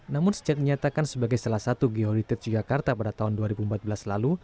namun sejak dinyatakan sebagai salah satu georitage jakarta pada tahun dua ribu empat belas lalu